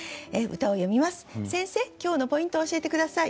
今日のポイントを教えて下さい。